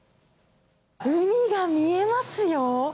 海が見えますよ。